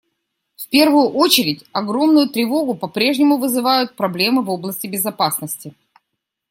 В первую очередь огромную тревогу попрежнему вызывают проблемы в области безопасности.